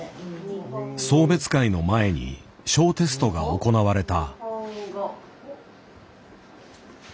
送別会の前に小テストが行われた。